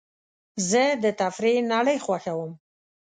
زه د تفریح نړۍ خوښوم.